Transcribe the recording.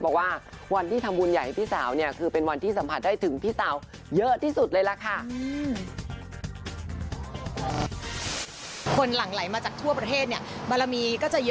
บอกว่าวันที่ทำวุญใหญ่ให้พี่สาวเนี่ย